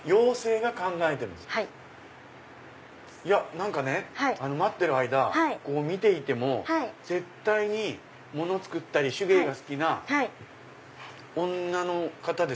何かね待ってる間見ていても絶対に物作ったり手芸が好きな女の方ですよね。